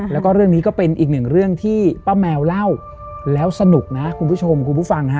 แล้วก็เรื่องนี้ก็เป็นอีกหนึ่งเรื่องที่ป้าแมวเล่าแล้วสนุกนะคุณผู้ชมคุณผู้ฟังฮะ